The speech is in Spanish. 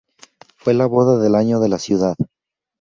Fue la boda del año de la ciudad.